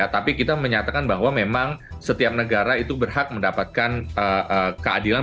tapi kita menyatakan bahwa memang setiap negara itu berhak mendapatkan keadilan